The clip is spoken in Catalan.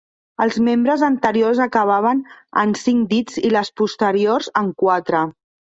Els membres anteriors acabaven en cinc dits i les posteriors en quatre.